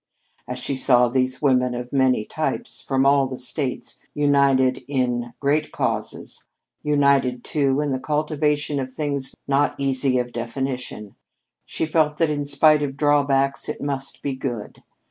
As she saw these women of many types, from all of the States, united in great causes, united, too, in the cultivation of things not easy of definition, she felt that, in spite of drawbacks, it must be good.